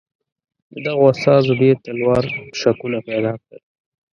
د دغو استازو ډېر تلوار شکونه پیدا کړل.